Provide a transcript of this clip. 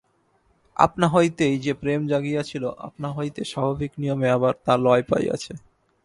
আপনা হইতেই যে প্রেম জাগিয়াছিল, আপনা হইতে স্বাভাবিক নিয়মে আবার তা লয় পাইয়াছে।